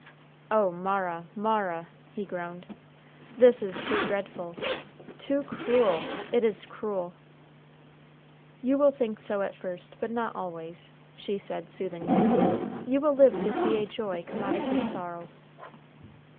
"Oh, Mara, Mara," he groaned, "this is too dreadful, too cruel; it is cruel." "You will think so at first, but not always," she said, soothingly. "You will live to see a joy come out of this sorrow."